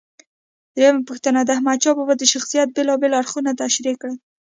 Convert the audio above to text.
درېمه پوښتنه: د احمدشاه بابا د شخصیت بېلابېل اړخونه تشریح کړئ.